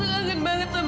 aku kangen banget sama dia